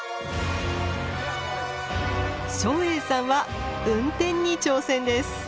照英さんは運転に挑戦です。